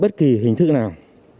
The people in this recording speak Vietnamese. bất kỳ hình thức nào